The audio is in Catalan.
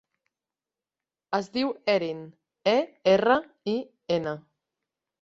Es diu Erin: e, erra, i, ena.